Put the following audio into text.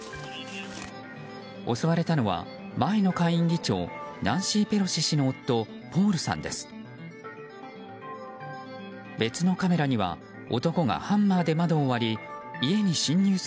襲われたのは、前の下院議長ナンシー・ペロシ氏の夫、ポールさんです。